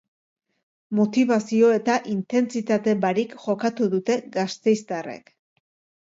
Motibazio eta intentsitate barik jokatu dute gasteiztarrek.